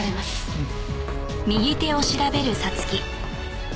うん。